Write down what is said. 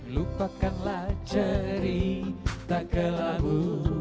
lupakanlah cerita kelabu